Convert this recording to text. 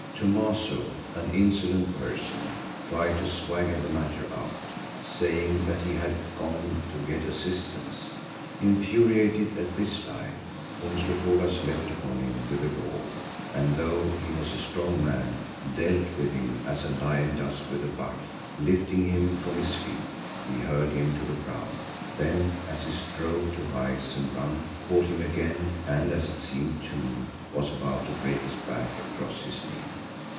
Thomaso, an insolent person, tried to swagger the matter out, saying that he had gone to get assistance. Infuriated at this lie, Umslopogaas leapt upon him with a roar and though he was a strong man, dealt with him as a lion does with a buck. Lifting him from his feet, he hurled him to the ground, then as he strove to rise and run, caught him again and as it seemed to me, was about to break his back across his knee.